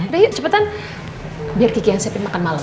udah yuk cepetan biar kiki yang siapin makan malam